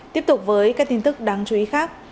tiếp tục với các tin tức đáng chú ý khác